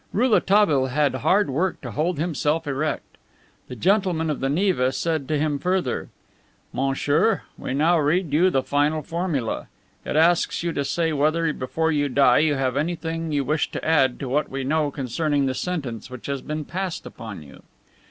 Rouletabille had hard work to hold himself erect. The gentleman of the Neva said to him further: "Monsieur, we now read you the final formula. It asks you to say whether, before you die, you have anything you wish to add to what we know concerning the sentence which has been passed upon you."